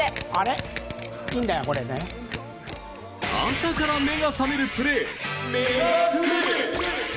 朝から目が覚めるプレーメガプレ！